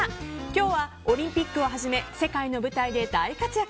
今日はオリンピックをはじめ世界の舞台で大活躍。